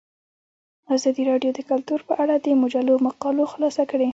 ازادي راډیو د کلتور په اړه د مجلو مقالو خلاصه کړې.